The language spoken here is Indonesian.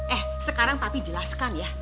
eh sekarang pak api jelaskan ya